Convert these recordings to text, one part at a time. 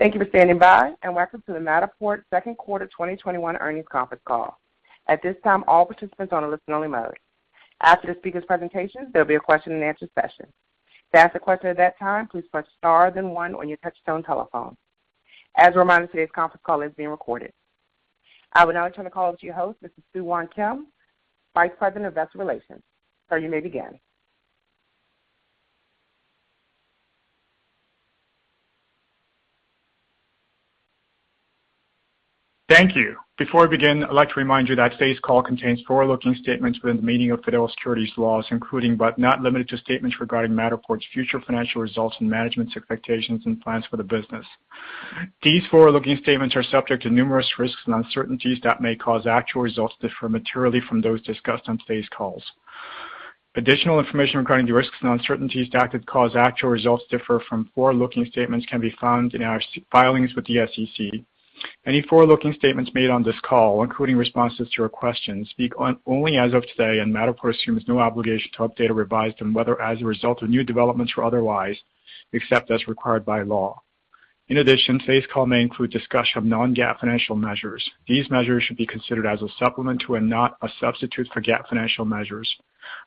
Thank you for standing by, welcome to the Matterport Second Quarter 2021 Earnings Conference Call. At this time, all participants are on a listen-only mode. After the speaker's presentation, there'll be a question-and-answer session. To ask a question at that time, please press star then one on your touch-tone telephone. As a reminder, today's conference call is being recorded. I will now turn the call to your host, Mr. Soohwan Kim, Vice President of Investor Relations. Sir, you may begin. Thank you. Before we begin, I'd like to remind you that today's call contains forward-looking statements within the meaning of federal securities laws, including but not limited to statements regarding Matterport's future financial results and management's expectations and plans for the business. These forward-looking statements are subject to numerous risks and uncertainties that may cause actual results to differ materially from those discussed on today's call. Additional information regarding the risks and uncertainties that could cause actual results to differ from forward-looking statements can be found in our filings with the SEC. Any forward-looking statements made on this call, including responses to your questions, speak only as of today, and Matterport assumes no obligation to update or revise them, whether as a result of new developments or otherwise, except as required by law. In addition, today's call may include discussion of non-GAAP financial measures. These measures should be considered as a supplement to and not a substitute for GAAP financial measures.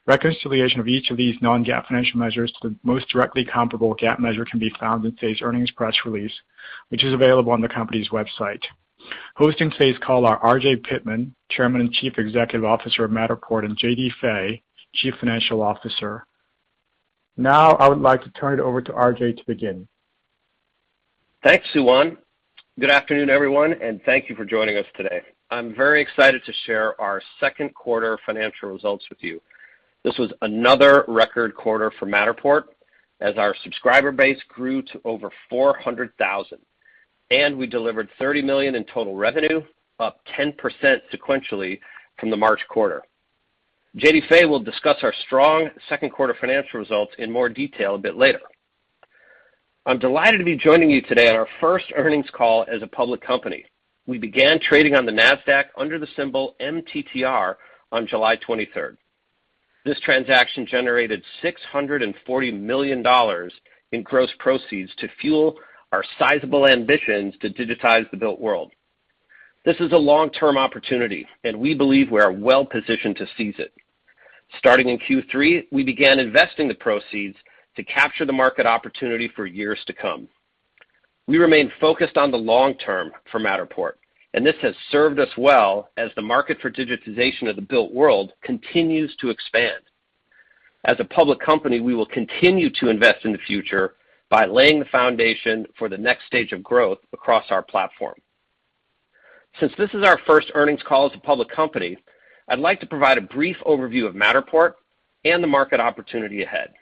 Reconciliation of each of these non-GAAP financial measures to the most directly comparable GAAP measure can be found in today's earnings press release, which is available on the company's website. Hosting today's call are RJ Pittman, Chairman and Chief Executive Officer of Matterport, and J.D. Fay, Chief Financial Officer. I would like to turn it over to RJ to begin. Thanks, Soohwan. Good afternoon, everyone, and thank you for joining us today. I'm very excited to share our second quarter financial results with you. This was another record quarter for Matterport as our subscriber base grew to over 400,000, and we delivered $30 million in total revenue, up 10% sequentially from the March quarter. J.D. Fay will discuss our strong second quarter financial results in more detail a bit later. I'm delighted to be joining you today on our first earnings call as a public company. We began trading on the Nasdaq under the symbol MTTR on July 23rd. This transaction generated $640 million in gross proceeds to fuel our sizable ambitions to digitize the built world. This is a long-term opportunity, and we believe we are well-positioned to seize it. Starting in Q3, we began investing the proceeds to capture the market opportunity for years to come. We remain focused on the long-term for Matterport, and this has served us well as the market for digitization of the built world continues to expand. As a public company, we will continue to invest in the future by laying the foundation for the next stage of growth across our platform. Since this is our first earnings call as a public company, I'd like to provide a brief overview of Matterport and the market opportunity ahead.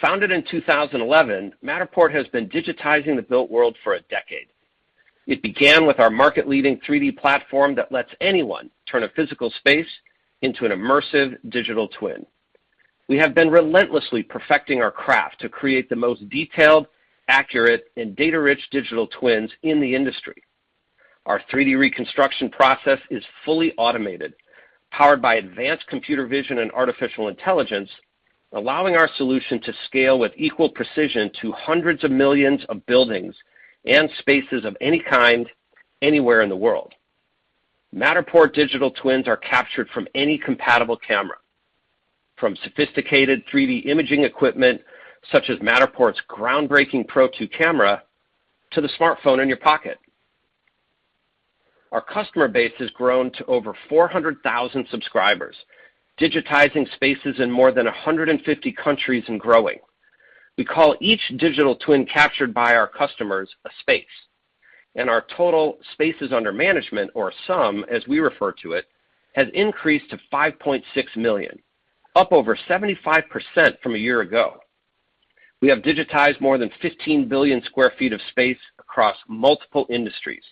Founded in 2011, Matterport has been digitizing the built world for a decade. It began with our market-leading 3D platform that lets anyone turn a physical space into an immersive digital twin. We have been relentlessly perfecting our craft to create the most detailed, accurate, and data-rich digital twins in the industry. Our 3D reconstruction process is fully automated, powered by advanced computer vision and artificial intelligence, allowing our solution to scale with equal precision to hundreds of millions of buildings and spaces of any kind anywhere in the world. Matterport digital twins are captured from any compatible camera, from sophisticated 3D imaging equipment, such as Matterport's groundbreaking Pro2 Camera, to the smartphone in your pocket. Our customer base has grown to over 400,000 subscribers, digitizing spaces in more than 150 countries and growing. We call each digital twin captured by our customers a space, and our total Spaces Under Management, or SUM as we refer to it, has increased to 5.6 million, up over 75% from a year ago. We have digitized more than 15 billion sq ft of space across multiple industries,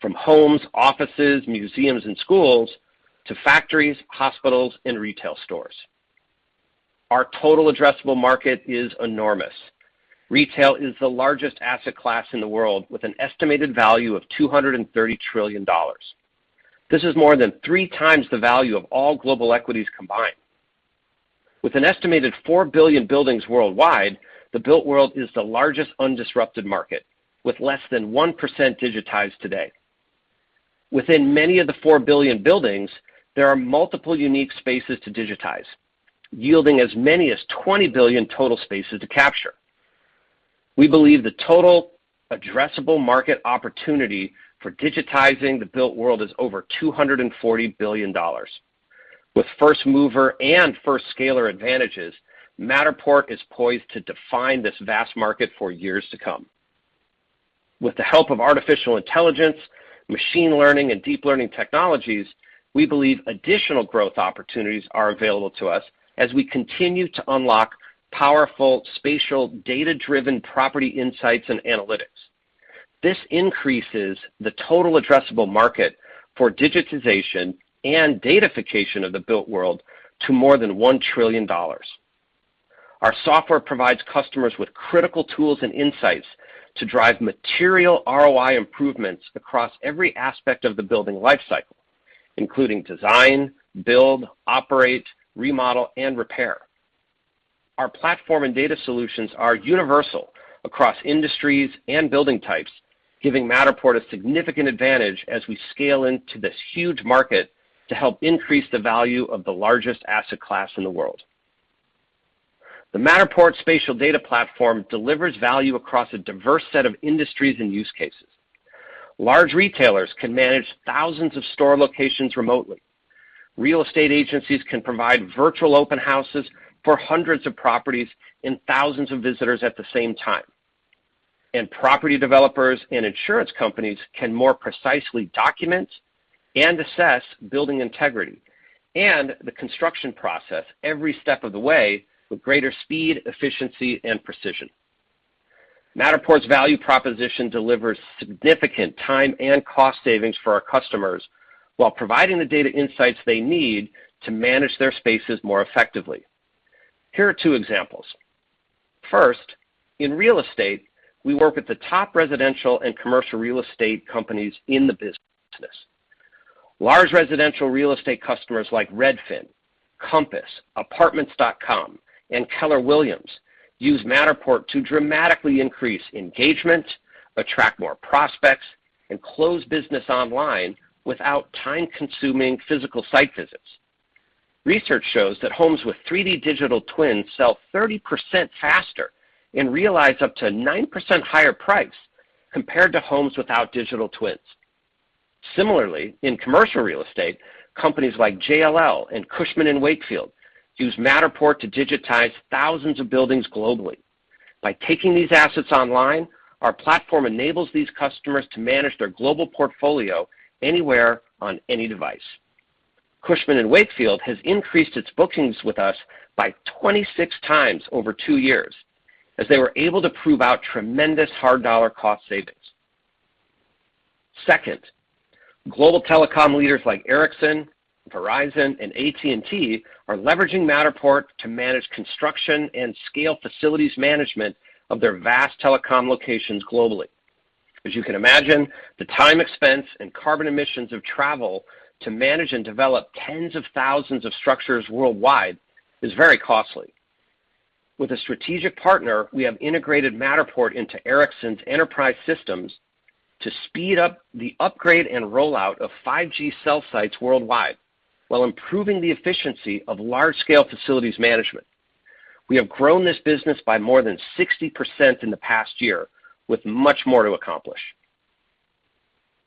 from homes, offices, museums, and schools to factories, hospitals, and retail stores. Our total addressable market is enormous. Retail is the largest asset class in the world, with an estimated value of $230 trillion. This is more than three times the value of all global equities combined. With an estimated four billion buildings worldwide, the built world is the largest undisrupted market, with less than 1% digitized today. Within many of the four billion buildings, there are multiple unique spaces to digitize, yielding as many as 20 billion total spaces to capture. We believe the total addressable market opportunity for digitizing the built world is over $240 billion. With first-mover and first-scaler advantages, Matterport is poised to define this vast market for years to come. With the help of artificial intelligence, machine learning, and deep learning technologies, we believe additional growth opportunities are available to us as we continue to unlock powerful spatial data-driven property insights and analytics. This increases the total addressable market for digitization and datafication of the built world to more than $1 trillion. Our software provides customers with critical tools and insights to drive material ROI improvements across every aspect of the building life cycle, including design, build, operate, remodel, and repair. Our platform and data solutions are universal across industries and building types, giving Matterport a significant advantage as we scale into this huge market to help increase the value of the largest asset class in the world. The Matterport spatial data platform delivers value across a diverse set of industries and use cases. Large retailers can manage thousands of store locations remotely. Real estate agencies can provide virtual open houses for hundreds of properties and thousands of visitors at the same time. Property developers and insurance companies can more precisely document and assess building integrity and the construction process every step of the way with greater speed, efficiency, and precision. Matterport's value proposition delivers significant time and cost savings for our customers while providing the data insights they need to manage their spaces more effectively. Here are two examples. First, in real estate, we work with the top residential and commercial real estate companies in the business. Large residential real estate customers like Redfin, Compass, Apartments.com, and Keller Williams use Matterport to dramatically increase engagement, attract more prospects, and close business online without time-consuming physical site visits. Research shows that homes with 3D digital twins sell 30% faster and realize up to 9% higher price compared to homes without digital twins. Similarly, in commercial real estate, companies like JLL, and Cushman & Wakefield use Matterport to digitize thousands of buildings globally. By taking these assets online, our platform enables these customers to manage their global portfolio anywhere, on any device. Cushman & Wakefield has increased its bookings with us by 26 times over two years as they were able to prove out tremendous hard dollar cost savings. Second, global telecom leaders like Ericsson, Verizon, and AT&T are leveraging Matterport to manage construction and scale facilities management of their vast telecom locations globally. As you can imagine, the time, expense, and carbon emissions of travel to manage and develop tens of thousands of structures worldwide is very costly. With a strategic partner, we have integrated Matterport into Ericsson's enterprise systems to speed up the upgrade and rollout of 5G cell sites worldwide while improving the efficiency of large-scale facilities management. We have grown this business by more than 60% in the past year, with much more to accomplish.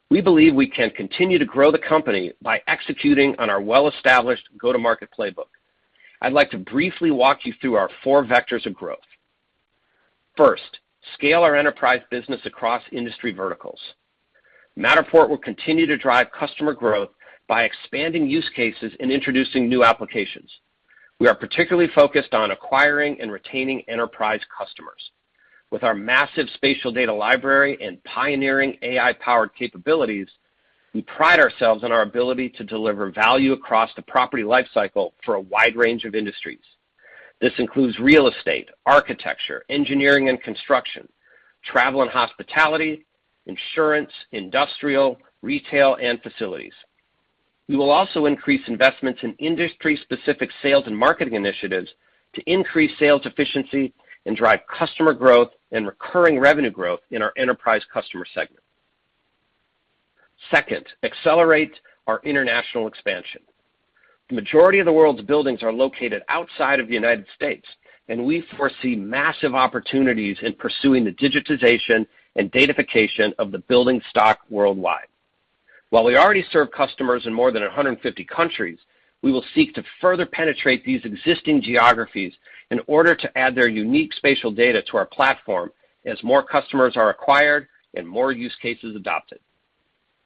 We believe we can continue to grow the company by executing on our well-established go-to-market playbook. I'd like to briefly walk you through our four vectors of growth. First, scale our enterprise business across industry verticals. Matterport will continue to drive customer growth by expanding use cases and introducing new applications. We are particularly focused on acquiring and retaining enterprise customers. With our massive spatial data library and pioneering AI-powered capabilities, we pride ourselves on our ability to deliver value across the property lifecycle for a wide range of industries. This includes real estate, architecture, engineering and construction, travel and hospitality, insurance, industrial, retail, and facilities. We will also increase investments in industry-specific sales and marketing initiatives to increase sales efficiency and drive customer growth and recurring revenue growth in our enterprise customer segment. Second, accelerate our international expansion. The majority of the world's buildings are located outside of the United States, and we foresee massive opportunities in pursuing the digitization and datafication of the building stock worldwide. While we already serve customers in more than 150 countries, we will seek to further penetrate these existing geographies in order to add their unique spatial data to our platform as more customers are acquired and more use cases adopted.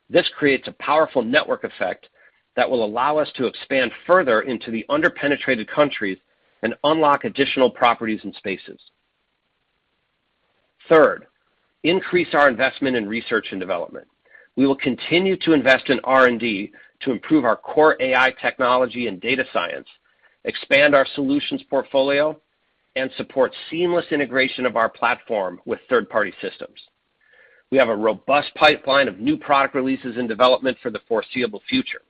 This creates a powerful network effect that will allow us to expand further into the under-penetrated countries and unlock additional properties and spaces. Third, increase our investment in research and development. We will continue to invest in R&D to improve our core AI technology and data science, expand our solutions portfolio, and support seamless integration of our platform with third-party systems. We have a robust pipeline of new product releases in development for the foreseeable future.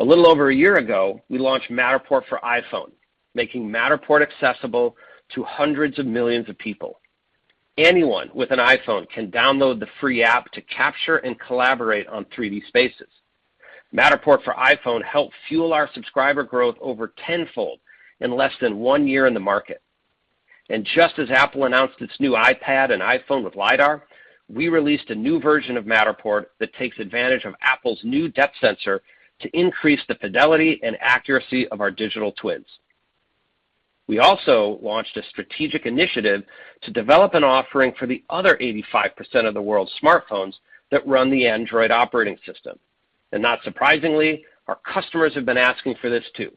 A little over a year ago, we launched Matterport for iPhone, making Matterport accessible to hundreds of millions of people. Anyone with an iPhone can download the free app to capture and collaborate on 3D spaces. Matterport for iPhone helped fuel our subscriber growth over tenfold in less than one year in the market. Just as Apple announced its new iPad and iPhone with LiDAR, we released a new version of Matterport that takes advantage of Apple's new depth sensor to increase the fidelity and accuracy of our digital twins. We also launched a strategic initiative to develop an offering for the other 85% of the world's smartphones that run the Android operating system. Not surprisingly, our customers have been asking for this too.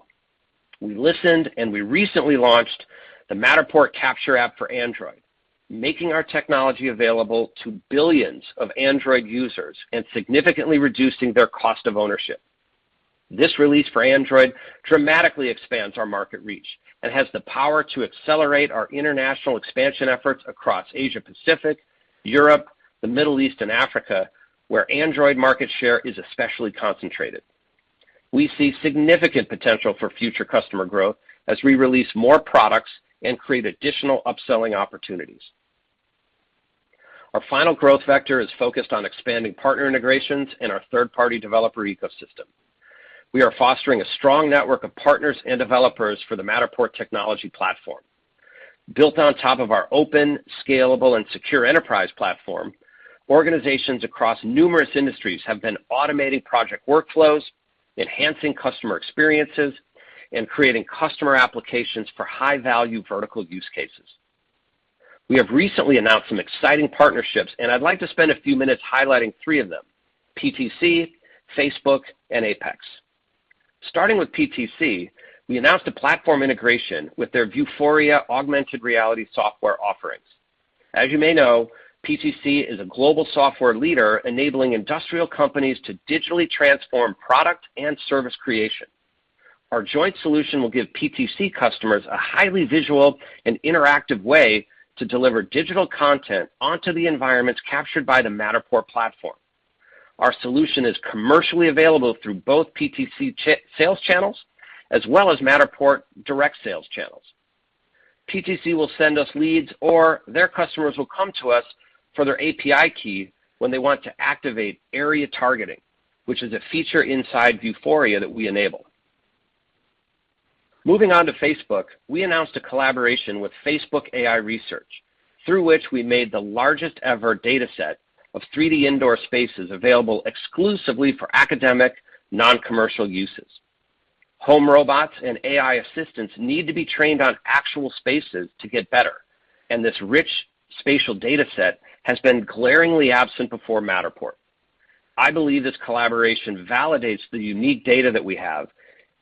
We listened, and we recently launched the Matterport Capture app for Android, making our technology available to billions of Android users and significantly reducing their cost of ownership. This release for Android dramatically expands our market reach and has the power to accelerate our international expansion efforts across Asia-Pacific, Europe, the Middle East and Africa, where Android market share is especially concentrated. We see significant potential for future customer growth as we release more products and create additional upselling opportunities. Our final growth vector is focused on expanding partner integrations and our third-party developer ecosystem. We are fostering a strong network of partners and developers for the Matterport technology platform. Built on top of our open, scalable, and secure enterprise platform, organizations across numerous industries have been automating project workflows, enhancing customer experiences, and creating customer applications for high-value vertical use cases. We have recently announced some exciting partnerships, and I'd like to spend a few minutes highlighting three of them, PTC, Facebook, and Apex. Starting with PTC, we announced a platform integration with their Vuforia augmented reality software offerings. As you may know, PTC is a global software leader enabling industrial companies to digitally transform product and service creation. Our joint solution will give PTC customers a highly visual and interactive way to deliver digital content onto the environments captured by the Matterport platform. Our solution is commercially available through both PTC sales channels as well as Matterport direct sales channels. PTC will send us leads, or their customers will come to us for their API key when they want to activate area targeting, which is a feature inside Vuforia that we enable. Moving on to Facebook, we announced a collaboration with Facebook AI Research, through which we made the largest ever dataset of 3D indoor spaces available exclusively for academic, non-commercial uses. Home robots and AI assistants need to be trained on actual spaces to get better. This rich spatial dataset has been glaringly absent before Matterport. I believe this collaboration validates the unique data that we have.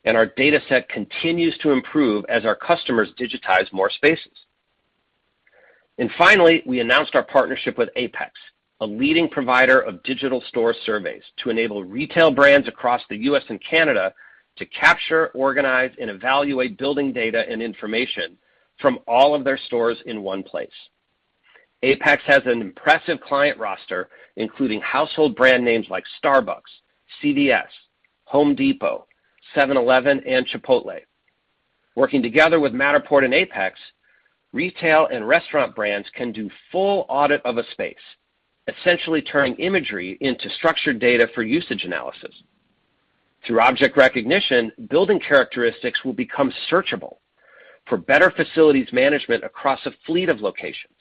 Our dataset continues to improve as our customers digitize more spaces. Finally, we announced our partnership with Apex, a leading provider of digital store surveys, to enable retail brands across the U.S. and Canada to capture, organize, and evaluate building data and information from all of their stores in one place. Apex has an impressive client roster, including household brand names like Starbucks, CVS, Home Depot, 7-Eleven, and Chipotle. Working together with Matterport and Apex, retail and restaurant brands can do full audit of a space, essentially turning imagery into structured data for usage analysis. Through object recognition, building characteristics will become searchable for better facilities management across a fleet of locations.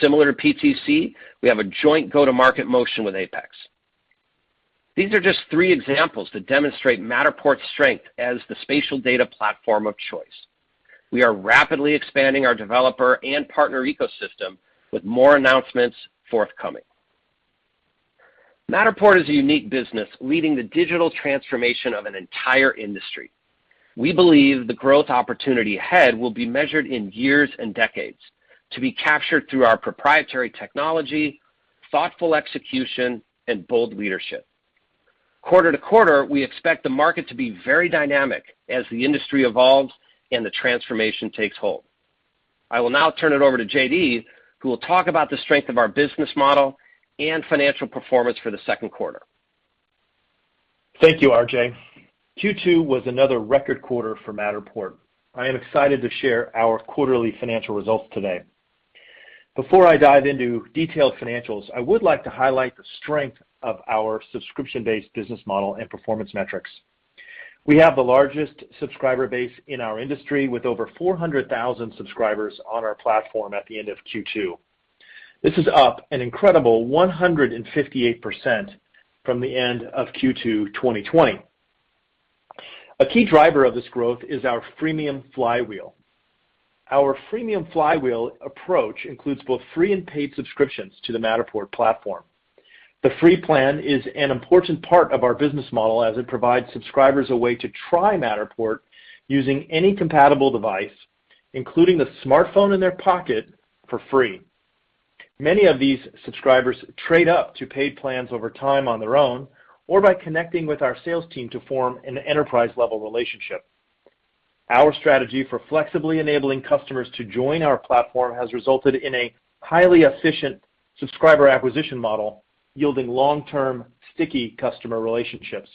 Similar to PTC, we have a joint go-to-market motion with Apex. These are just three examples that demonstrate Matterport's strength as the spatial data platform of choice. We are rapidly expanding our developer and partner ecosystem with more announcements forthcoming. Matterport is a unique business leading the digital transformation of an entire industry. We believe the growth opportunity ahead will be measured in years and decades, to be captured through our proprietary technology, thoughtful execution, and bold leadership. Quarter to quarter, we expect the market to be very dynamic as the industry evolves and the transformation takes hold. I will now turn it over to J.D., who will talk about the strength of our business model and financial performance for the second quarter. Thank you, RJ. Q2 was another record quarter for Matterport. I am excited to share our quarterly financial results today. Before I dive into detailed financials, I would like to highlight the strength of our subscription-based business model and performance metrics. We have the largest subscriber base in our industry, with over 400,000 subscribers on our platform at the end of Q2. This is up an incredible 158% from the end of Q2 2020. A key driver of this growth is our freemium flywheel. Our freemium flywheel approach includes both free and paid subscriptions to the Matterport platform. The free plan is an important part of our business model, as it provides subscribers a way to try Matterport using any compatible device, including the smartphone in their pocket, for free. Many of these subscribers trade up to paid plans over time on their own, or by connecting with our sales team to form an enterprise-level relationship. Our strategy for flexibly enabling customers to join our platform has resulted in a highly efficient subscriber acquisition model, yielding long-term, sticky customer relationships.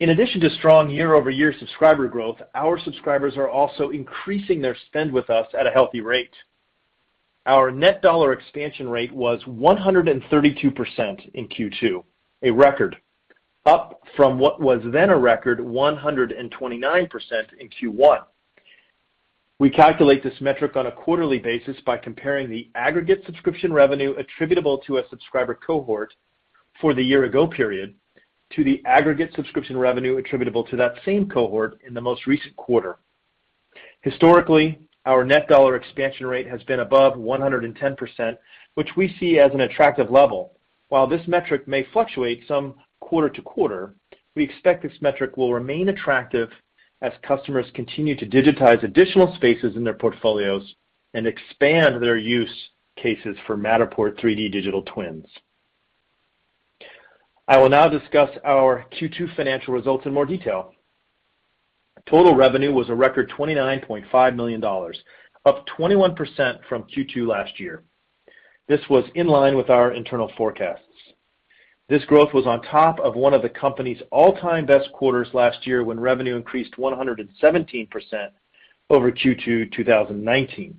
In addition to strong year-over-year subscriber growth, our subscribers are also increasing their spend with us at a healthy rate. Our net dollar expansion rate was 132% in Q2, a record, up from what was then a record 129% in Q1. We calculate this metric on a quarterly basis by comparing the aggregate subscription revenue attributable to a subscriber cohort for the year-ago period to the aggregate subscription revenue attributable to that same cohort in the most recent quarter. Historically, our net dollar expansion rate has been above 110%, which we see as an attractive level. While this metric may fluctuate some quarter to quarter, we expect this metric will remain attractive as customers continue to digitize additional spaces in their portfolios and expand their use cases for Matterport 3D digital twins. I will now discuss our Q2 financial results in more detail. Total revenue was a record $29.5 million, up 21% from Q2 last year. This was in line with our internal forecasts. This growth was on top of one of the company's all-time best quarters last year, when revenue increased 117% over Q2 2019.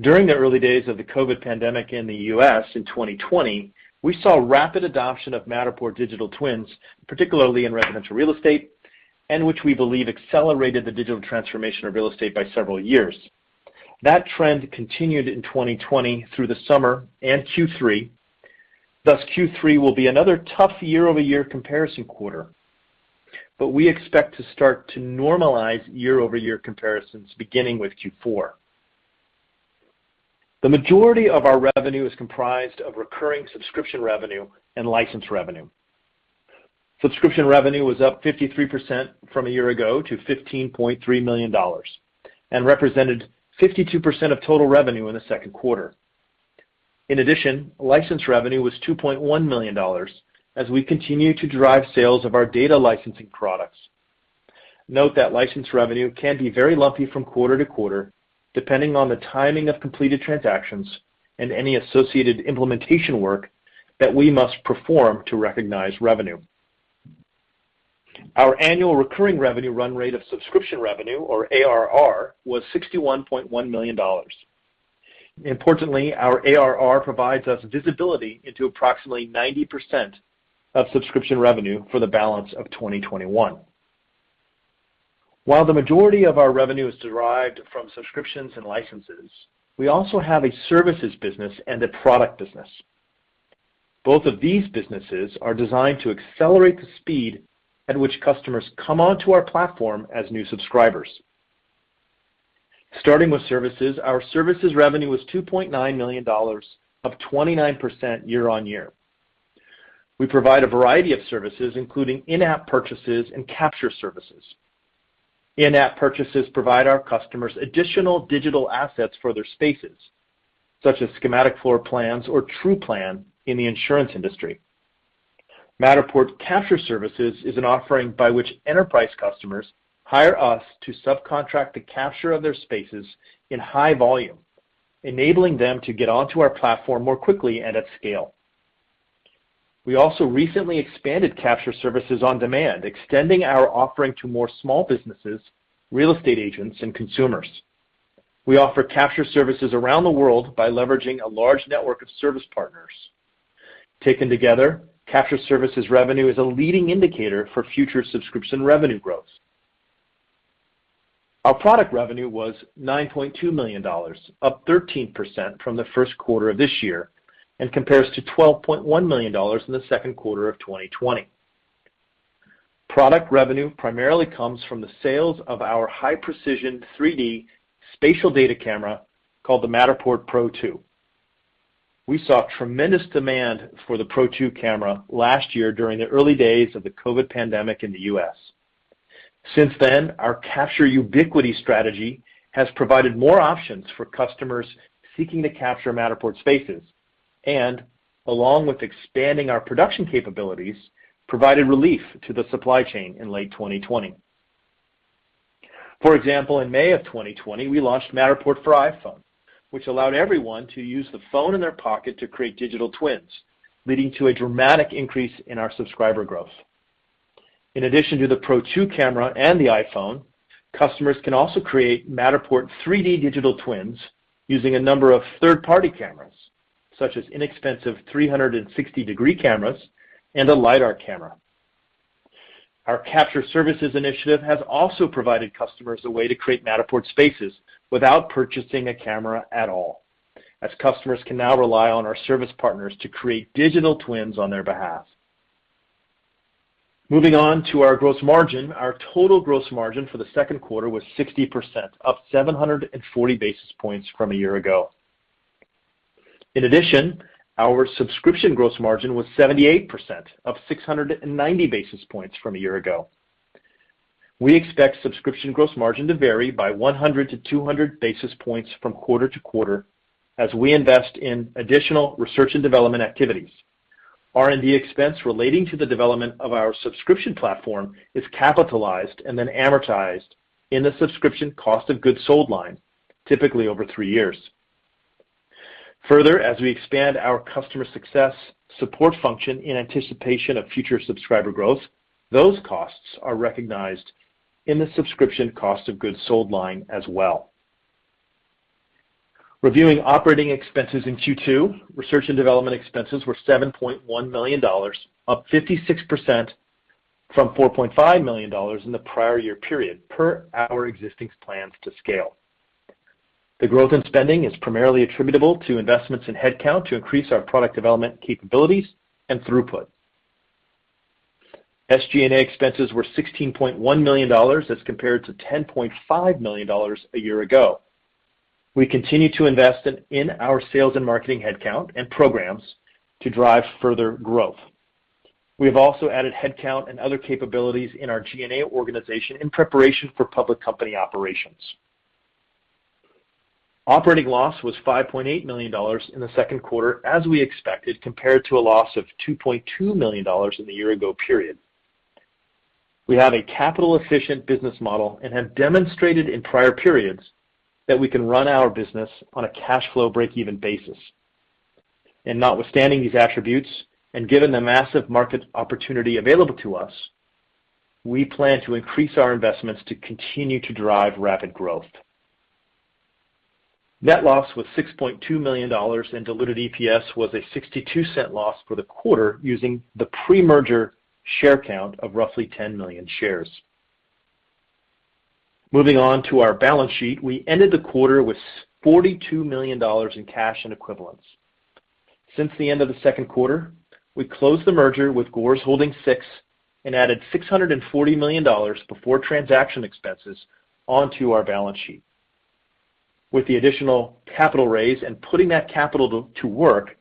During the early days of the COVID pandemic in the U.S. in 2020, we saw rapid adoption of Matterport digital twins, particularly in residential real estate, and which we believe accelerated the digital transformation of real estate by several years. That trend continued in 2020 through the summer and Q3. Thus, Q3 will be another tough year-over-year comparison quarter, but we expect to start to normalize year-over-year comparisons beginning with Q4. The majority of our revenue is comprised of recurring subscription revenue and license revenue. Subscription revenue was up 53% from a year ago to $15.3 million, and represented 52% of total revenue in the second quarter. In addition, license revenue was $2.1 million as we continue to drive sales of our data licensing products. Note that license revenue can be very lumpy from quarter to quarter, depending on the timing of completed transactions and any associated implementation work that we must perform to recognize revenue. Our annual recurring revenue run rate of subscription revenue, or ARR, was $61.1 million. Importantly, our ARR provides us visibility into approximately 90% of subscription revenue for the balance of 2021. While the majority of our revenue is derived from subscriptions and licenses, we also have a services business and a product business. Both of these businesses are designed to accelerate the speed at which customers come onto our platform as new subscribers. Starting with services, our services revenue was $2.9 million, up 29% year-on-year. We provide a variety of services, including in-app purchases and capture services. In-app purchases provide our customers additional digital assets for their spaces, such as schematic floor plans or TruePlan in the insurance industry. Matterport Capture Services is an offering by which enterprise customers hire us to subcontract the capture of their spaces in high volume, enabling them to get onto our platform more quickly and at scale. We also recently expanded Capture Services on demand, extending our offering to more small businesses, real estate agents, and consumers. We offer Capture Services around the world by leveraging a large network of service partners. Taken together, Capture Services revenue is a leading indicator for future subscription revenue growth. Our product revenue was $9.2 million, up 13% from the first quarter of this year, and compares to $12.1 million in the second quarter of 2020. Product revenue primarily comes from the sales of our high-precision 3D spatial data camera called the Matterport Pro2. We saw tremendous demand for the Pro2 Camera last year during the early days of the COVID pandemic in the U.S. Since then, our Capture Ubiquity strategy has provided more options for customers seeking to capture Matterport spaces, and along with expanding our production capabilities, provided relief to the supply chain in late 2020. For example, in May of 2020, we launched Matterport for iPhone, which allowed everyone to use the phone in their pocket to create digital twins, leading to a dramatic increase in our subscriber growth. In addition to the Pro2 Camera and the iPhone, customers can also create Matterport 3D digital twins using a number of third-party cameras, such as inexpensive 360-degree cameras and a LiDAR camera. Our Capture Services initiative has also provided customers a way to create Matterport spaces without purchasing a camera at all, as customers can now rely on our service partners to create digital twins on their behalf. Moving on to our gross margin. Our total gross margin for the second quarter was 60%, up 740 basis points from a year ago. In addition, our subscription gross margin was 78%, up 690 basis points from a year ago. We expect subscription gross margin to vary by 100-200 basis points from quarter to quarter as we invest in additional research and development activities. R&D expense relating to the development of our subscription platform is capitalized and then amortized in the subscription cost of goods sold line, typically over three years. Further, as we expand our customer success support function in anticipation of future subscriber growth, those costs are recognized in the subscription cost of goods sold line as well. Reviewing operating expenses in Q2, research and development expenses were $7.1 million, up 56% from $4.5 million in the prior year period, per our existing plans to scale. The growth in spending is primarily attributable to investments in headcount to increase our product development capabilities and throughput. SG&A expenses were $16.1 million as compared to $10.5 million a year ago. We continue to invest in our sales and marketing headcount and programs to drive further growth. We have also added headcount and other capabilities in our G&A organization in preparation for public company operations. Operating loss was $5.8 million in the second quarter, as we expected, compared to a loss of $2.2 million in the year ago period. We have a capital-efficient business model and have demonstrated in prior periods that we can run our business on a cash flow breakeven basis. Notwithstanding these attributes, and given the massive market opportunity available to us, we plan to increase our investments to continue to drive rapid growth. Net loss was $6.2 million and diluted EPS was a $0.62 loss for the quarter using the pre-merger share count of roughly 10 million shares. Moving on to our balance sheet. We ended the quarter with $42 million in cash and equivalents. Since the end of the second quarter, we closed the merger with Gores Holdings VI and added $640 million before transaction expenses onto our balance sheet. With the additional capital raise and putting that capital to work,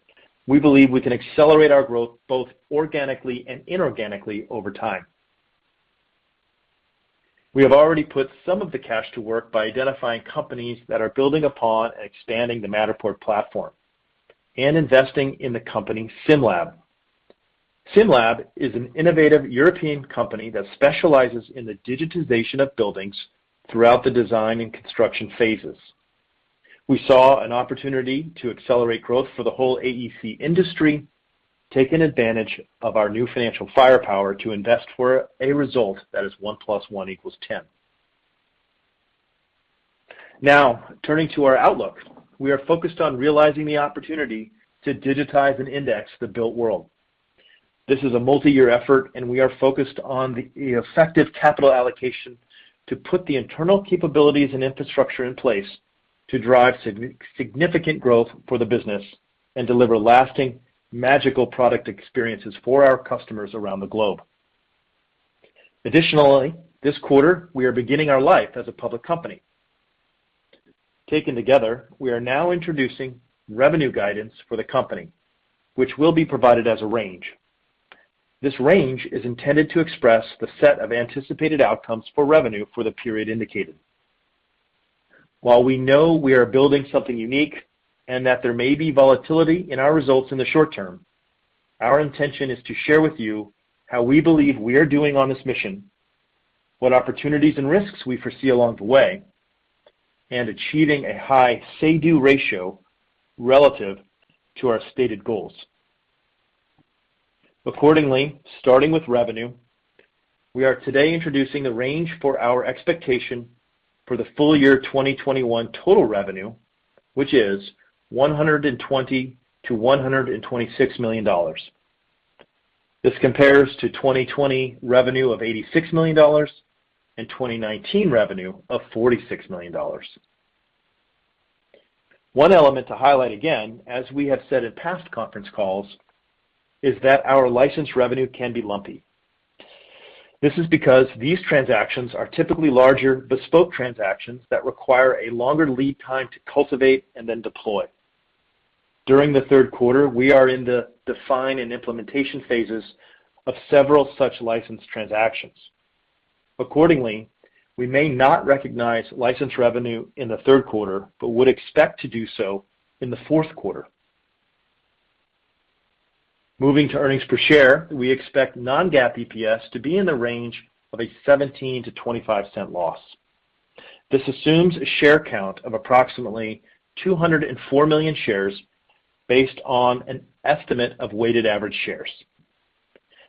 we believe we can accelerate our growth both organically and inorganically over time. We have already put some of the cash to work by identifying companies that are building upon and expanding the Matterport platform and investing in the company SIMLAB. SIMLAB is an innovative European company that specializes in the digitization of buildings throughout the design and construction phases. We saw an opportunity to accelerate growth for the whole AEC industry, taking advantage of our new financial firepower to invest for a result that is one plus one equals 10. Turning to our outlook. We are focused on realizing the opportunity to digitize and index the built world. This is a multi-year effort, and we are focused on the effective capital allocation to put the internal capabilities and infrastructure in place to drive significant growth for the business and deliver lasting, magical product experiences for our customers around the globe. Additionally, this quarter, we are beginning our life as a public company. Taken together, we are now introducing revenue guidance for the company, which will be provided as a range. This range is intended to express the set of anticipated outcomes for revenue for the period indicated. While we know we are building something unique and that there may be volatility in our results in the short term, our intention is to share with you how we believe we are doing on this mission, what opportunities and risks we foresee along the way, and achieving a high say-do ratio relative to our stated goals. Accordingly, starting with revenue, we are today introducing the range for our expectation for the full year 2021 total revenue, which is $120 million-$126 million. This compares to 2020 revenue of $86 million and 2019 revenue of $46 million. One element to highlight again, as we have said in past conference calls, is that our license revenue can be lumpy. This is because these transactions are typically larger bespoke transactions that require a longer lead time to cultivate and then deploy. During the third quarter, we are in the define and implementation phases of several such license transactions. Accordingly, we may not recognize license revenue in the third quarter, but would expect to do so in the fourth quarter. Moving to earnings per share, we expect non-GAAP EPS to be in the range of a $0.17-$0.25 loss. This assumes a share count of approximately 204 million shares based on an estimate of weighted average shares.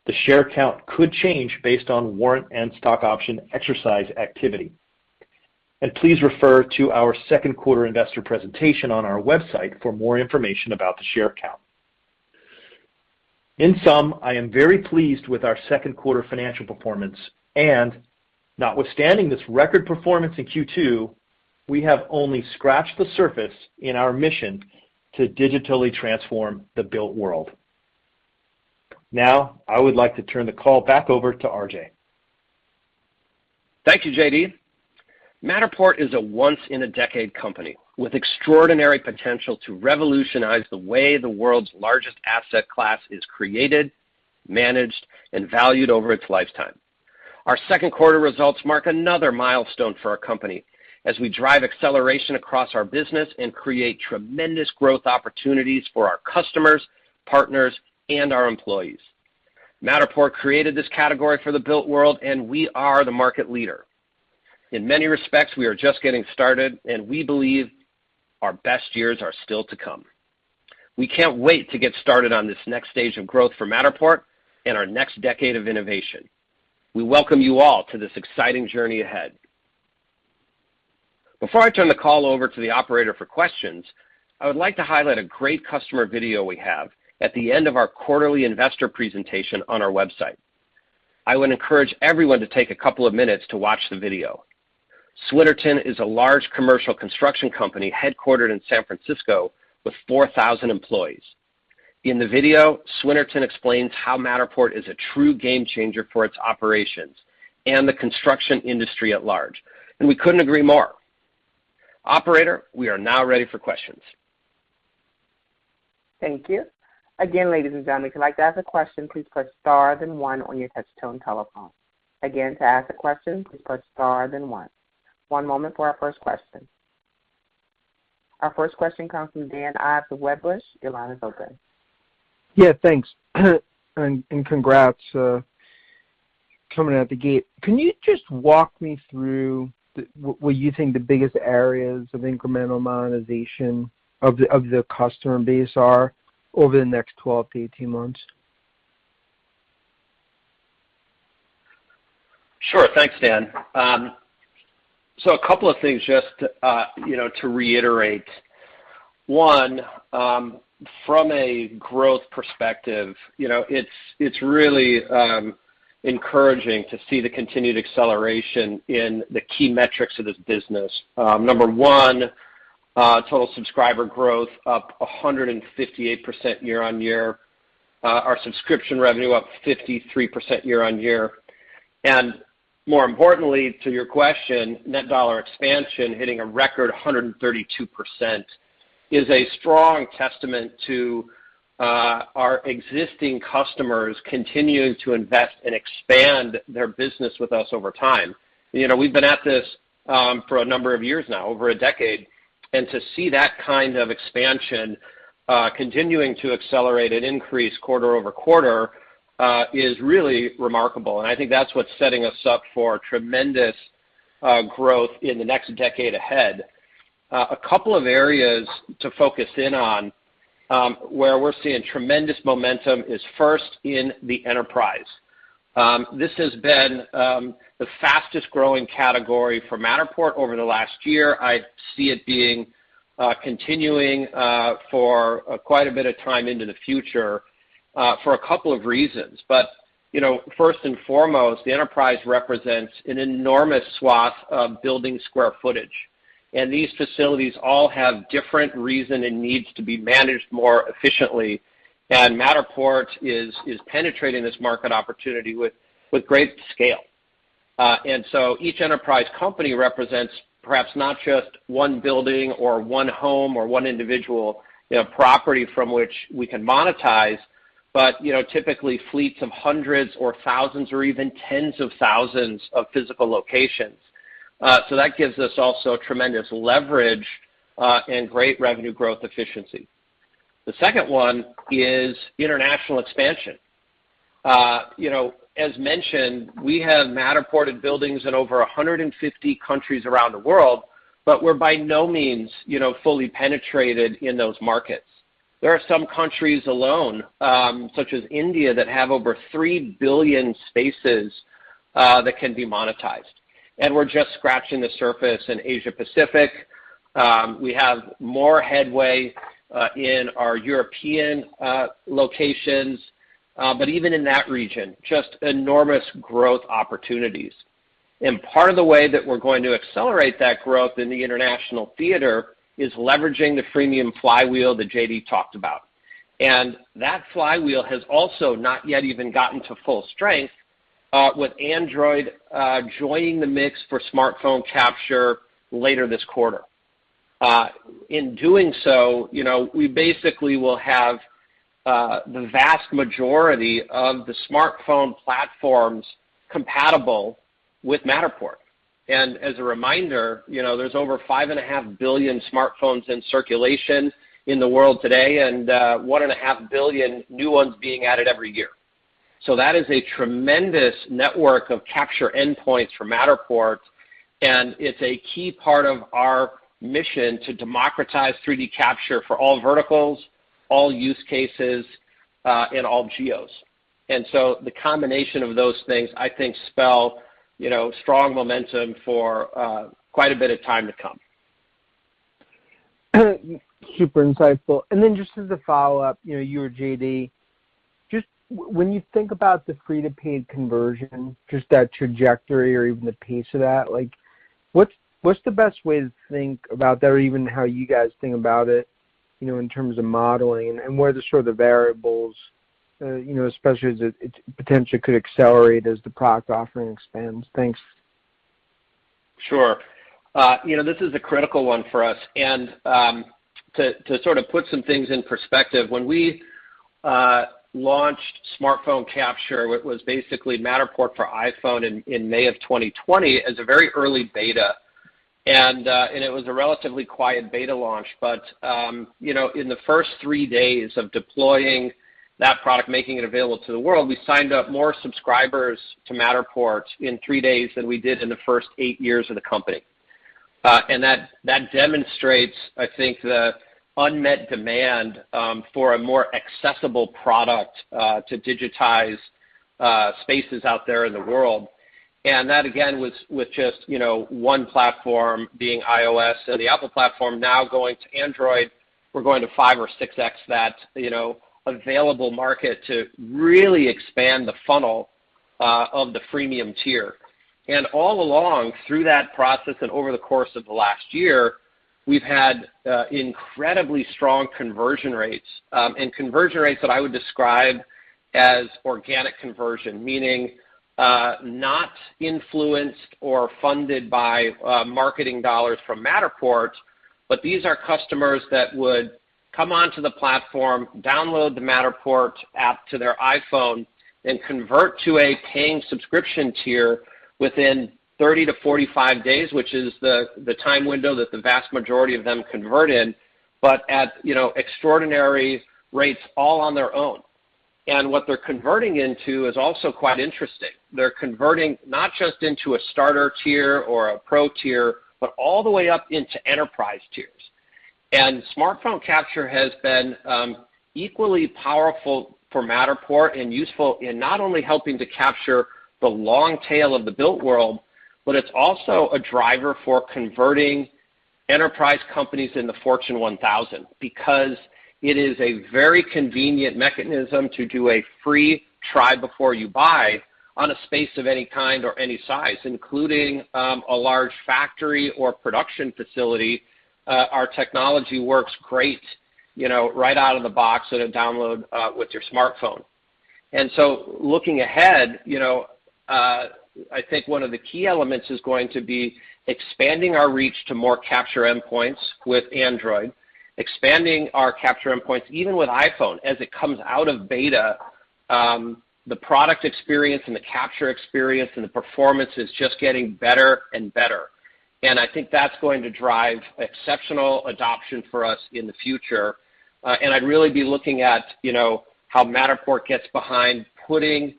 The share count could change based on warrant and stock option exercise activity. Please refer to our second quarter investor presentation on our website for more information about the share count. In SUM, I am very pleased with our second quarter financial performance, and notwithstanding this record performance in Q2, we have only scratched the surface in our mission to digitally transform the built world. Now, I would like to turn the call back over to RJ. Thank you, J.D. Matterport is a once in a decade company with extraordinary potential to revolutionize the way the world's largest asset class is created, managed, and valued over its lifetime. Our second quarter results mark another milestone for our company as we drive acceleration across our business and create tremendous growth opportunities for our customers, partners, and our employees. Matterport created this category for the built world, and we are the market leader. In many respects, we are just getting started, and we believe our best years are still to come. We can't wait to get started on this next stage of growth for Matterport and our next decade of innovation. We welcome you all to this exciting journey ahead. Before I turn the call over to the operator for questions, I would like to highlight a great customer video we have at the end of our quarterly investor presentation on our website. I would encourage everyone to take a couple of minutes to watch the video. Swinerton is a large commercial construction company headquartered in San Francisco with 4,000 employees. In the video, Swinerton explains how Matterport is a true game changer for its operations and the construction industry at large. We couldn't agree more. Operator, we are now ready for questions. Thank you. Again, ladies and gentlemen, if you'd like to ask a question, please press star, then one on your touch-tone telephone. Again, to ask a question, please press star, then one. One moment for our first question. Our first question comes from Dan Ives of Wedbush. Your line is open. Yeah, thanks. Congrats coming out the gate. Can you just walk me through what you think the biggest areas of incremental monetization of the customer base are over the next 12 to 18 months? Sure. Thanks, Dan. A couple of things just to reiterate. One, from a growth perspective, it's really encouraging to see the continued acceleration in the key metrics of this business. Number one, total subscriber growth up 158% year-on-year, our subscription revenue up 53% year-on-year, and more importantly to your question, net dollar expansion hitting a record 132% is a strong testament to our existing customers continuing to invest and expand their business with us over time. We've been at this for a number of years now, over a decade. To see that kind of expansion continuing to accelerate and increase quarter-over-quarter, is really remarkable. I think that's what's setting us up for tremendous growth in the next decade ahead. A couple of areas to focus in on, where we're seeing tremendous momentum is first in the enterprise. This has been the fastest-growing category for Matterport over the last year. I see it continuing for quite a bit of time into the future, for a couple of reasons. First and foremost, the enterprise represents an enormous swath of building square footage, and these facilities all have different reason and needs to be managed more efficiently. Matterport is penetrating this market opportunity with great scale. Each enterprise company represents perhaps not just one building or one home or one individual property from which we can monetize, but typically fleets of hundreds or thousands or even tens of thousands of physical locations. That gives us also tremendous leverage, and great revenue growth efficiency. The second one is international expansion. As mentioned, we have Matterported buildings in over 150 countries around the world, but we're by no means fully penetrated in those markets. There are some countries alone, such as India, that have over 3 billion spaces that can be monetized. We're just scratching the surface in Asia-Pacific. We have more headway in our European locations. Even in that region, just enormous growth opportunities. Part of the way that we're going to accelerate that growth in the international theater is leveraging the freemium flywheel that J.D. talked about. That flywheel has also not yet even gotten to full strength, with Android joining the mix for smartphone capture later this quarter. In doing so, we basically will have the vast majority of the smartphone platforms compatible with Matterport. As a reminder, there's over 5.5 billion smartphones in circulation in the world today, and 1.5 billion new ones being added every year. That is a tremendous network of capture endpoints for Matterport, and it's a key part of our mission to democratize 3D capture for all verticals, all use cases, and all geos. The combination of those things, I think, spell strong momentum for quite a bit of time to come. Super insightful. Just as a follow-up, you or J.D., just when you think about the free to paid conversion, just that trajectory or even the pace of that, what's the best way to think about that or even how you guys think about it, in terms of modeling and where the sort of variables, especially as it potentially could accelerate as the product offering expands? Thanks. Sure. This is a critical one for us. To sort of put some things in perspective, when we launched smartphone capture, it was basically Matterport for iPhone in May of 2020 as a very early beta. It was a relatively quiet beta launch. In the first three days of deploying that product, making it available to the world, we signed up more subscribers to Matterport in three days than we did in the first eight years of the company. That demonstrates, I think, the unmet demand for a more accessible product, to digitize spaces out there in the world. That, again, with just one platform being iOS. The Apple platform now going to Android, we're going to 5 or 6x that available market to really expand the funnel of the freemium tier. All along through that process and over the course of the last year, we've had incredibly strong conversion rates, and conversion rates that I would describe as organic conversion, meaning not influenced or funded by marketing dollars from Matterport, but these are customers that would come onto the platform, download the Matterport app to their iPhone, and convert to a paying subscription tier within 30-45 days, which is the time window that the vast majority of them convert in, but at extraordinary rates all on their own. What they're converting into is also quite interesting. They're converting not just into a starter tier or a pro tier, but all the way up into enterprise tiers. Smartphone capture has been equally powerful for Matterport and useful in not only helping to capture the long tail of the built world, but it's also a driver for converting enterprise companies in the Fortune 1000, because it is a very convenient mechanism to do a free try before you buy on a space of any kind or any size, including a large factory or production facility. Our technology works great right out of the box with a download with your smartphone. Looking ahead, I think one of the key elements is going to be expanding our reach to more capture endpoints with Android, expanding our capture endpoints even with iPhone. As it comes out of beta, the product experience and the capture experience and the performance is just getting better and better. I think that's going to drive exceptional adoption for us in the future. I'd really be looking at how Matterport gets behind putting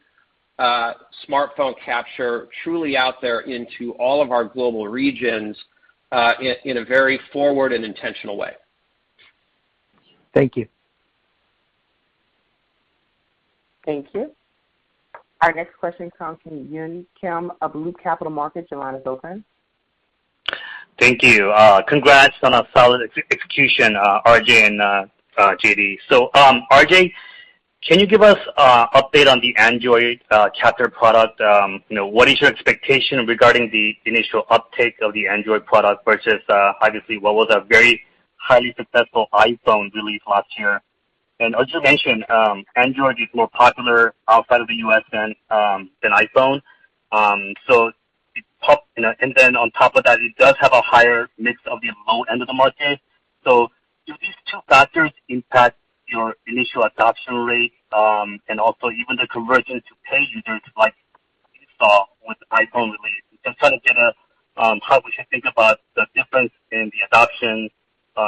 smartphone capture truly out there into all of our global regions, in a very forward and intentional way. Thank you. Thank you. Our next question comes from Yun Kim of Loop Capital Markets. Your line is open. Thank you. Congrats on a solid execution, RJ and J.D. RJ, can you give us a update on the Android Capture product? What is your expectation regarding the initial uptake of the Android product versus, obviously, what was a very highly successful iPhone release last year? As you mentioned, Android is more popular outside of the U.S. than iPhone. On top of that, it does have a higher mix of the low end of the market. Do these two factors impact your initial adoption rate, and also even the conversion to paying users like we saw with the iPhone release? I'm just trying to get how we should think about the difference in the adoption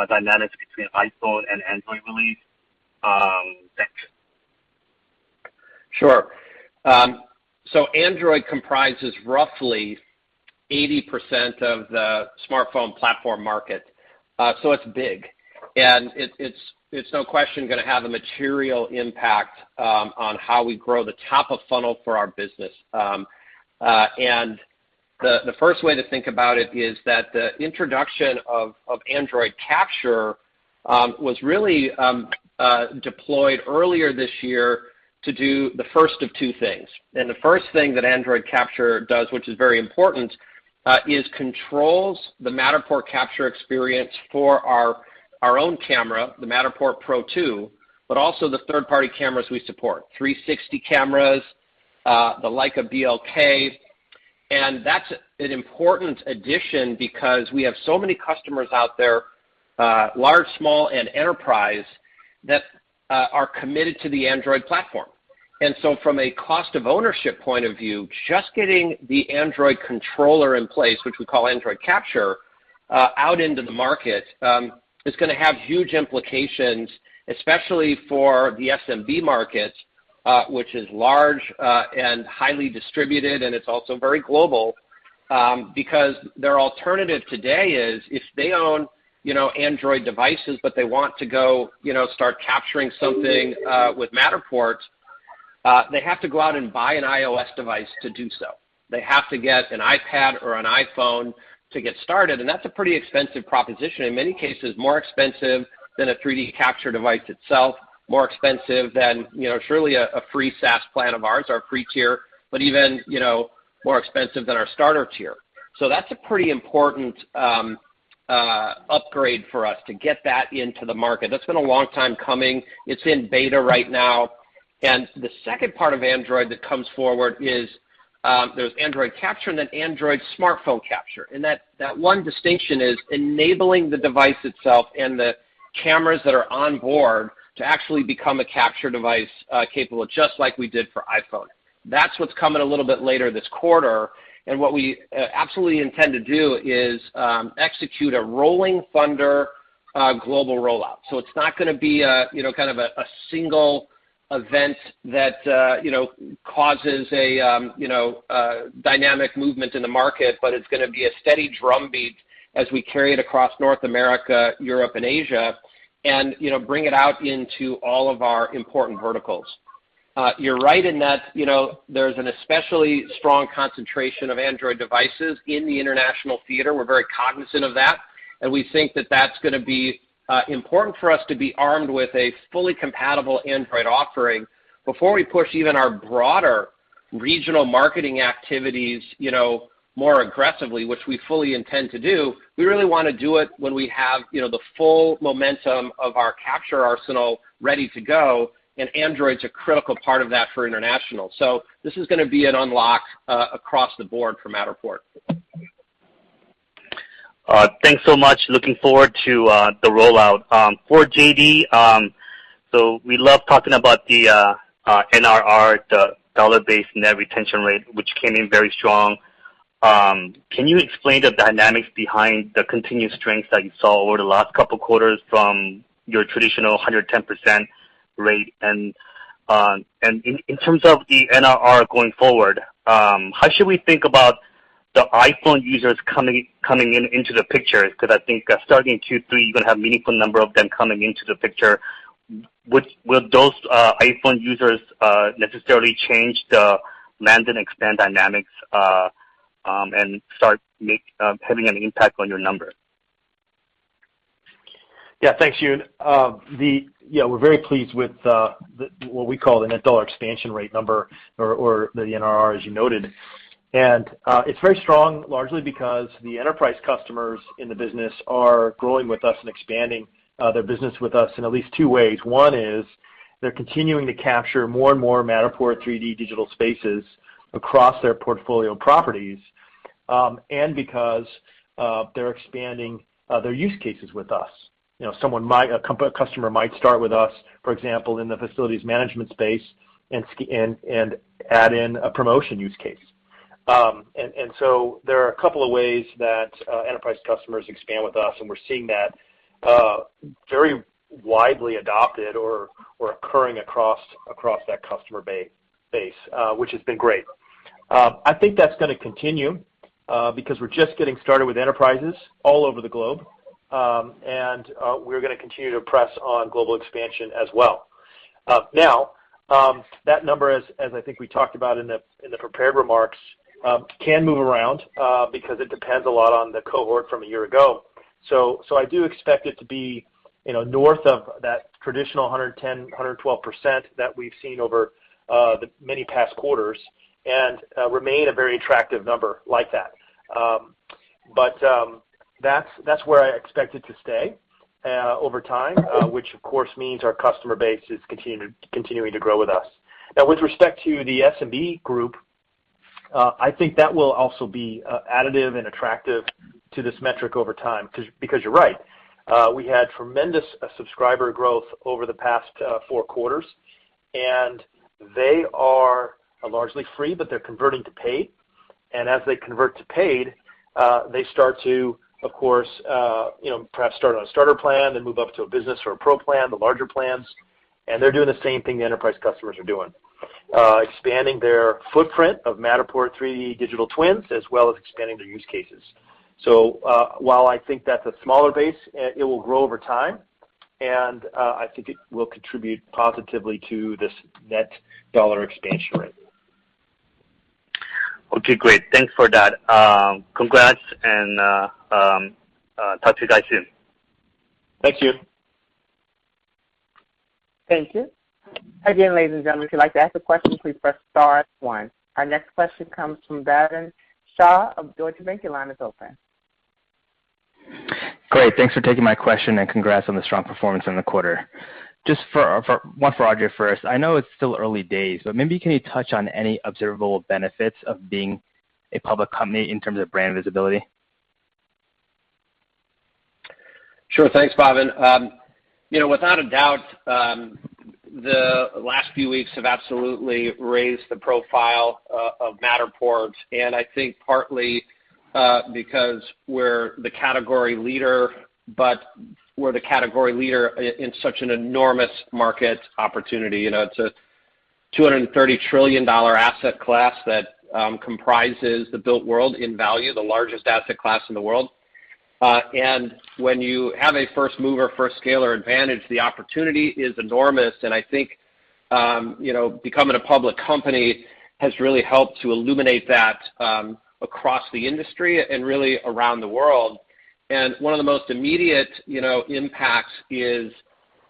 dynamics between iPhone and Android release. Thanks. Sure. Android comprises roughly 80% of the smartphone platform market. It's big, and it's no question going to have a material impact on how we grow the top of funnel for our business. The first way to think about it is that the introduction of Android Capture was really deployed earlier this year to do the first of two things. The first thing that Android Capture does, which is very important, is controls the Matterport capture experience for our own camera, the Matterport Pro2, but also the third-party cameras we support, 360 cameras, the Leica BLK360. That's an important addition because we have so many customers out there, large, small, and enterprise, that are committed to the Android platform. From a cost of ownership point of view, just getting the Android controller in place, which we call Android Capture, out into the market, is going to have huge implications, especially for the SMB markets, which is large, and highly distributed, and it's also very global. Their alternative today is, if they own Android devices, but they want to go start capturing something with Matterport, they have to go out and buy an iOS device to do so. They have to get an iPad or an iPhone to get started, and that's a pretty expensive proposition. In many cases, more expensive than a 3D capture device itself, more expensive than surely a free SaaS plan of ours, our free tier, but even more expensive than our starter tier. That's a pretty important upgrade for us to get that into the market. That's been a long time coming. It's in beta right now. The second part of Android that comes forward is, there's Android Capture and then Android Smartphone Capture. That one distinction is enabling the device itself and the cameras that are on board to actually become a capture device capable, just like we did for iPhone. That's what's coming a little bit later this quarter. What we absolutely intend to do is execute a rolling thunder global rollout. It's not going to be a single event that causes a dynamic movement in the market, but it's going to be a steady drumbeat as we carry it across North America, Europe, and Asia, and bring it out into all of our important verticals. You're right in that there's an especially strong concentration of Android devices in the international theater. We're very cognizant of that, and we think that that's going to be important for us to be armed with a fully compatible Android offering before we push even our broader-regional marketing activities more aggressively, which we fully intend to do. We really want to do it when we have the full momentum of our capture arsenal ready to go, and Android's a critical part of that for international. This is going to be an unlock, across the board for Matterport. Thanks so much. Looking forward to the rollout. For J.D., we love talking about the NRR, the dollar-based net retention rate, which came in very strong. Can you explain the dynamics behind the continued strength that you saw over the last couple of quarters from your traditional 110% rate? In terms of the NRR going forward, how should we think about the iPhone users coming into the picture? I think starting Q3, you're going to have meaningful number of them coming into the picture. Will those iPhone users necessarily change the land and expand dynamics, and start having an impact on your number? Yeah. Thanks, Yun. We're very pleased with what we call the net dollar expansion rate number or the NRR, as you noted. It's very strong, largely because the enterprise customers in the business are growing with us and expanding their business with us in at least two ways. One is they're continuing to capture more and more Matterport 3D digital spaces across their portfolio properties, and because they're expanding their use cases with us. A customer might start with us, for example, in the facilities management space and add in a promotion use case. There are a couple of ways that enterprise customers expand with us, and we're seeing that very widely adopted or occurring across that customer base, which has been great. I think that's going to continue, because we're just getting started with enterprises all over the globe. We're going to continue to press on global expansion as well. That number, as I think we talked about in the prepared remarks, can move around, because it depends a lot on the cohort from a year ago. I do expect it to be north of that traditional 110%-112% that we've seen over the many past quarters and remain a very attractive number like that. That's where I expect it to stay over time, which, of course, means our customer base is continuing to grow with us. With respect to the SMB group, I think that will also be additive and attractive to this metric over time because you're right, we had tremendous subscriber growth over the past four quarters, and they are largely free, but they're converting to pay. As they convert to paid, they start to, of course, perhaps start on a Starter plan, then move up to a Business or a Pro plan, the larger plans. They're doing the same thing the enterprise customers are doing, expanding their footprint of Matterport 3D digital twins, as well as expanding their use cases. While I think that's a smaller base, it will grow over time and, I think it will contribute positively to this net dollar expansion rate. Okay, great. Thanks for that. Congrats and talk to you guys soon. Thanks, Yun. Thank you. Again, ladies and gentlemen, if you'd like to ask a question, please press star one. Our next question comes from Bhavin Shah of Deutsche Bank. Your line is open. Great. Thanks for taking my question. Congrats on the strong performance on the quarter. Just one for Robert first. I know it's still early days, but maybe can you touch on any observable benefits of being a public company in terms of brand visibility? Sure. Thanks, Bhavin. Without a doubt, the last few weeks have absolutely raised the profile of Matterport, and I think partly because we're the category leader, but we're the category leader in such an enormous market opportunity. It's a $230 trillion asset class that comprises the built world in value, the largest asset class in the world. When you have a first mover, first scaler advantage, the opportunity is enormous. I think becoming a public company has really helped to illuminate that across the industry and really around the world. One of the most immediate impacts is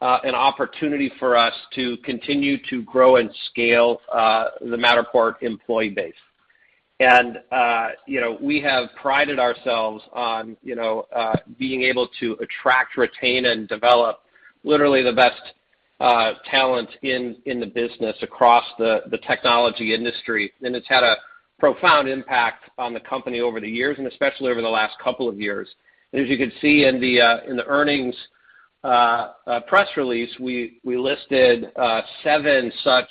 an opportunity for us to continue to grow and scale the Matterport employee base. We have prided ourselves on being able to attract, retain, and develop literally the best talent in the business across the technology industry. It's had a profound impact on the company over the years, and especially over the last couple of years. As you can see in the earnings press release, we listed seven such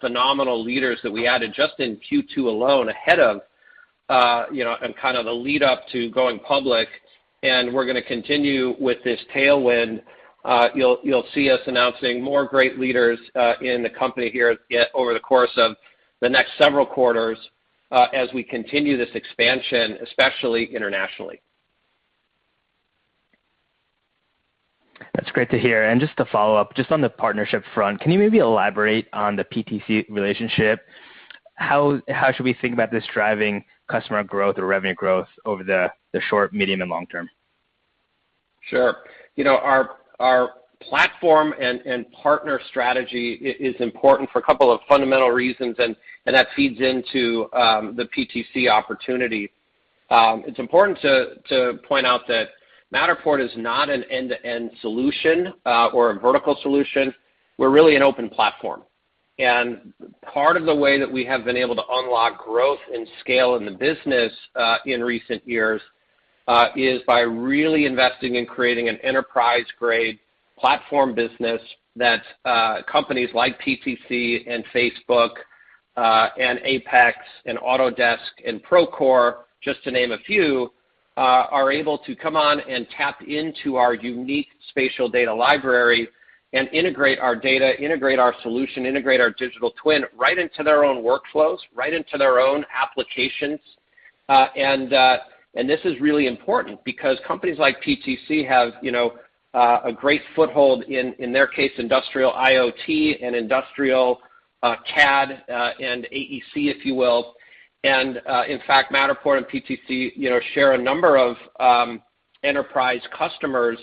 phenomenal leaders that we added just in Q2 alone ahead of and kind of the lead up to going public, and we're going to continue with this tailwind. You'll see us announcing more great leaders in the company here over the course of the next several quarters, as we continue this expansion, especially internationally. That's great to hear. Just to follow-up, just on the partnership front, can you maybe elaborate on the PTC relationship? How should we think about this driving customer growth or revenue growth over the short, medium, and long-term? Sure. Our platform and partner strategy is important for a couple of fundamental reasons. That feeds into the PTC opportunity. It's important to point out that Matterport is not an end-to-end solution or a vertical solution. We're really an open platform. Part of the way that we have been able to unlock growth and scale in the business, in recent years, is by really investing in creating an enterprise-grade platform business that companies like PTC and Facebook, and Apex and Autodesk and Procore, just to name a few, are able to come on and tap into our unique spatial data library and integrate our data, integrate our solution, integrate our digital twin right into their own workflows, right into their own applications. This is really important because companies like PTC have a great foothold in their case, industrial IoT and industrial CAD, and AEC, if you will. In fact, Matterport and PTC share a number of enterprise customers,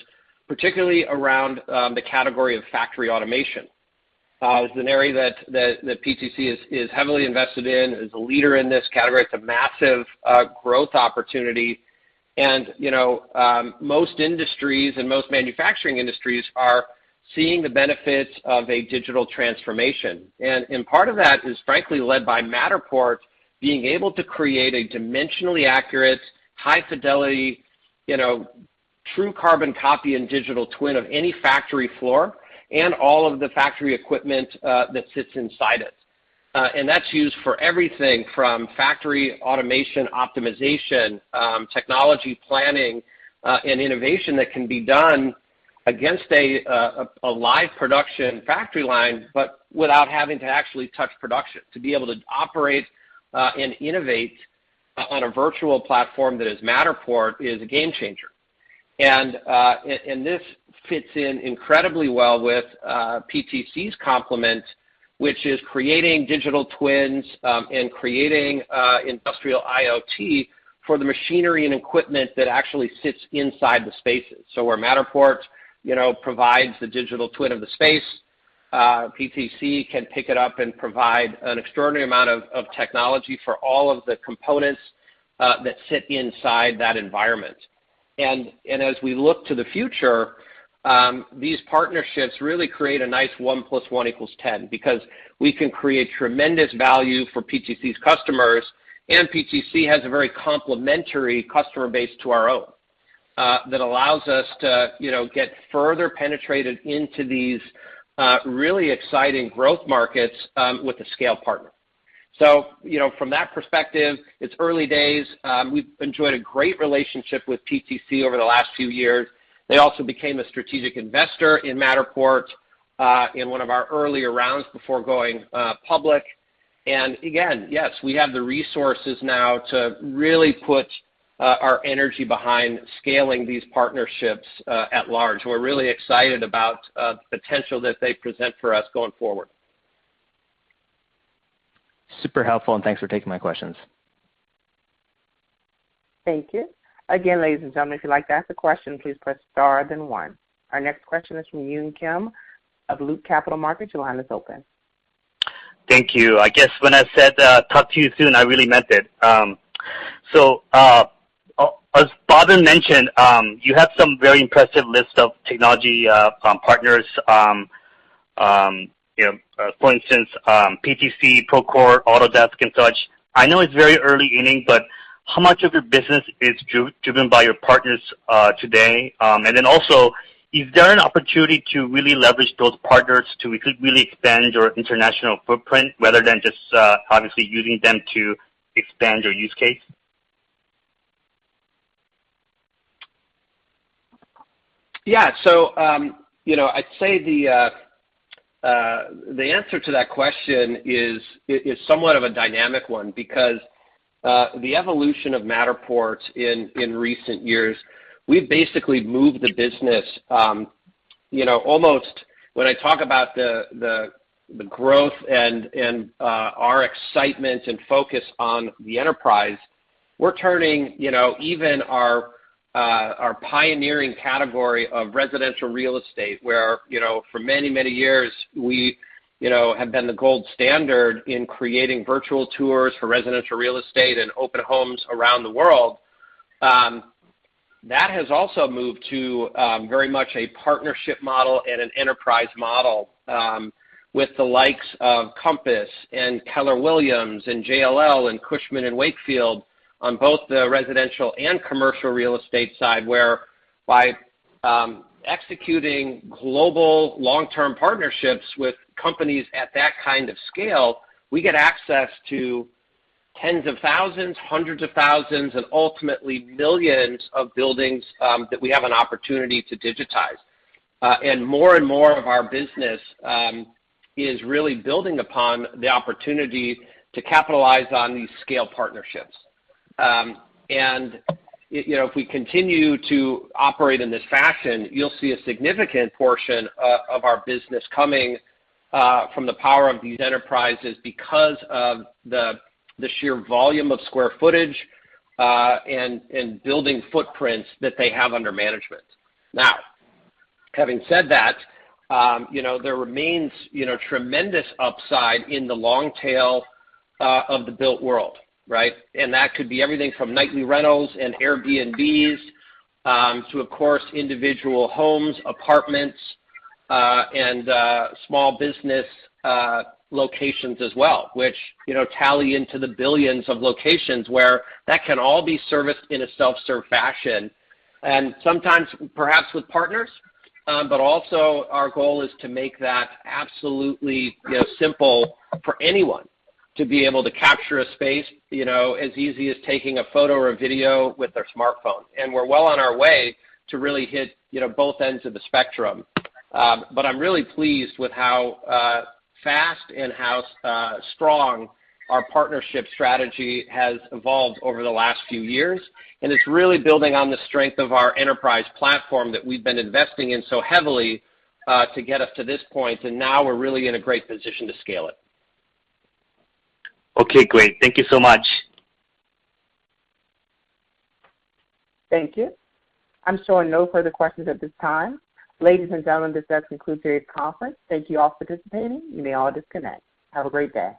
particularly around the category of factory automation. It's an area that PTC is heavily invested in, is a leader in this category. It's a massive growth opportunity. Most industries and most manufacturing industries are seeing the benefits of a digital transformation. Part of that is frankly led by Matterport being able to create a dimensionally accurate, high-fidelity, true carbon copy and digital twin of any factory floor and all of the factory equipment that sits inside it. That's used for everything from factory automation optimization, technology planning, and innovation that can be done against a live production factory line, but without having to actually touch production. To be able to operate, and innovate on a virtual platform that is Matterport is a game changer. This fits in incredibly well with PTC's complement, which is creating digital twins, and creating industrial IoT for the machinery and equipment that actually sits inside the spaces. Where Matterport provides the digital twin of the space, PTC can pick it up and provide an extraordinary amount of technology for all of the components that sit inside that environment. As we look to the future, these partnerships really create a nice one plus one equals 10 because we can create tremendous value for PTC's customers, and PTC has a very complementary customer base to our own, that allows us to get further penetrated into these really exciting growth markets, with a scale partner. From that perspective, it's early days. We've enjoyed a great relationship with PTC over the last few years. They also became a strategic investor in Matterport, in one of our earlier rounds before going public. Again, yes, we have the resources now to really put our energy behind scaling these partnerships at large. We're really excited about the potential that they present for us going forward. Super helpful, and thanks for taking my questions. Thank you. Again, ladies and gentlemen, if you'd like to ask a question, please press star, then one. Our next question is from Yun Kim of Loop Capital Markets. Your line is open. Thank you. I guess when I said, "Talk to you soon," I really meant it. As Bhavin mentioned, you have some very impressive list of technology partners. For instance, PTC, Procore, Autodesk, and such. I know it's very early inning, how much of your business is driven by your partners today? Is there an opportunity to really leverage those partners to really expand your international footprint rather than just, obviously using them to expand your use case? Yeah. I'd say the answer to that question is somewhat of a dynamic one because, the evolution of Matterport in recent years, we've basically moved the business almost when I talk about the growth and our excitement and focus on the enterprise, we're turning even our pioneering category of residential real estate, where, for many, many years we have been the gold standard in creating virtual tours for residential real estate and open homes around the world. That has also moved to very much a partnership model and an enterprise model, with the likes of Compass and Keller Williams and JLL, and Cushman & Wakefield on both the residential and commercial real estate side, where by executing global long-term partnerships with companies at that kind of scale, we get access to tens of thousands, hundreds of thousands, and ultimately millions of buildings that we have an opportunity to digitize. More and more of our business is really building upon the opportunity to capitalize on these scale partnerships. If we continue to operate in this fashion, you'll see a significant portion of our business coming from the power of these enterprises because of the sheer volume of square footage, and building footprints that they have under management. Having said that, there remains tremendous upside in the long tail of the built world, right? That could be everything from nightly rentals and Airbnbs, to, of course, individual homes, apartments, and small business locations as well, which tally into the billions of locations where that can all be serviced in a self-serve fashion. Sometimes, perhaps with partners, but also our goal is to make that absolutely simple for anyone to be able to capture a space, as easy as taking a photo or a video with their smartphone. We're well on our way to really hit both ends of the spectrum. I'm really pleased with how fast and how strong our partnership strategy has evolved over the last few years. It's really building on the strength of our enterprise platform that we've been investing in so heavily to get us to this point. Now we're really in a great position to scale it. Okay, great. Thank you so much. Thank you. I am showing no further questions at this time. Ladies and gentlemen, this does conclude today's conference. Thank you all for participating. You may all disconnect. Have a great day.